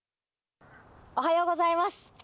おはようございます。